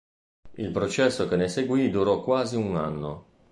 Il processo che ne seguì durò quasi un anno.